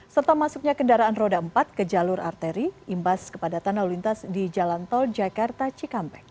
serta masuknya kendaraan roda empat ke jalur arteri imbas kepadatan lalu lintas di jalan tol jakarta cikampek